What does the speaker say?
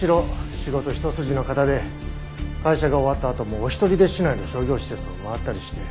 仕事ひと筋の方で会社が終わったあともお一人で市内の商業施設を回ったりして。